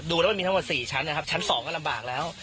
ดูแล้วมันมีทั้งหมด๔ชั้นนะครับชั้น๒ก็ลำบากแล้ว